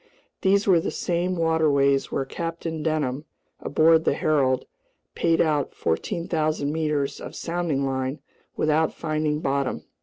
These were the same waterways where Captain Denham, aboard the Herald, payed out 14,000 meters of sounding line without finding bottom.